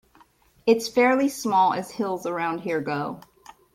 It's fairly small as hills around here go.